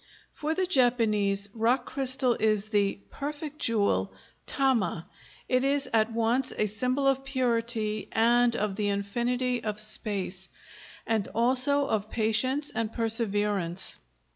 For the Japanese, rock crystal is the "perfect jewel," tama; it is at once a symbol of purity and of the infinity of space, and also of patience and perseverance.